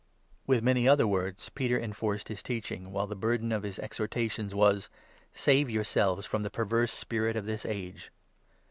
With many other words Peter enforced his teaching, while 40 the burden of his exhortations was —" Save yourselves from the perverse spirit of this age."